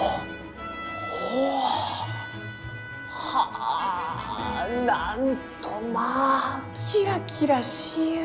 あなんとまあキラキラしゆう！